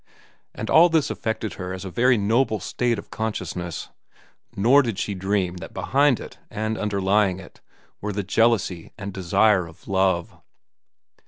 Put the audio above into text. And all this affected her as a very noble state of consciousness; nor did she dream that behind it and underlying it were the jealousy and desire of love.